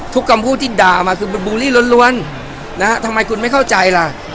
คำพูดที่ด่ามาคือมันบูลลี่ล้วนนะฮะทำไมคุณไม่เข้าใจล่ะ